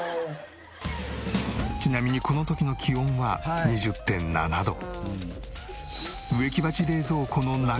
ちなみにこの時の気温は２０．７度。